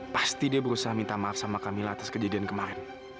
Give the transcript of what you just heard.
pasti dia berusaha minta maaf sama kami atas kejadian kemarin